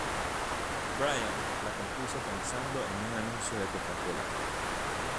Brian la compuso pensando en un anuncio de Coca Cola.